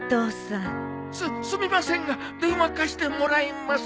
すっすみませんが電話貸してもらえますか？